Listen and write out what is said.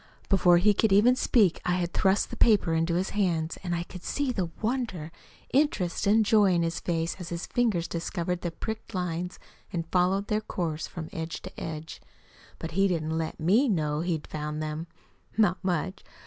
Before he could even speak I had thrust the paper into his hands, and I could see the wonder, interest, and joy in his face as his fingers discovered the pricked lines and followed their course from edge to edge. But he didn't let ME know he'd found them not much!